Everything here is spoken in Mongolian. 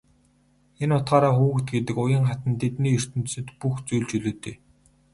Энэ утгаараа хүүхэд гэдэг уян хатан тэдний ертөнцөд бүх зүйл чөлөөтэй.